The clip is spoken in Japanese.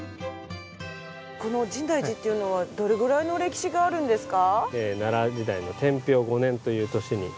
この深大寺っていうのはどれぐらいの歴史があるんですか？